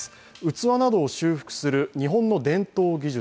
器などを修復する日本の伝統技術